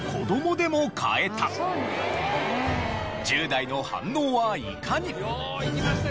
１０代の反応はいかに？